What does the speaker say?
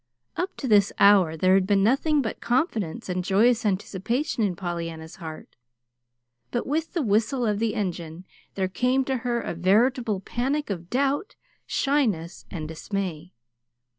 Up to this hour there had been nothing but confidence and joyous anticipation in Pollyanna's heart. But with the whistle of the engine there came to her a veritable panic of doubt, shyness, and dismay.